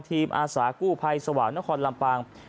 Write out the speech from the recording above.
อาสากู้ภัยสว่างนครลำปาง